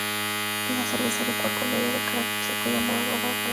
Es una cerveza de cuerpo medio, de carácter seco y amargor agradable.